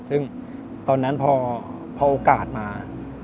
ซึ่งตอนนั้นพอโอกาสมา